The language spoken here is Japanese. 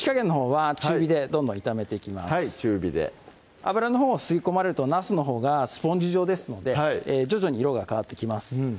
はい中火で油のほう吸い込まれるとなすのほうがスポンジ状ですので徐々に色が変わってきます